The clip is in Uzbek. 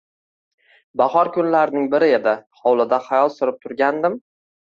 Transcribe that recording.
Bahor kunlarining biri edi, hovlida xayol surib turgandim